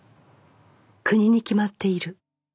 国に決まっている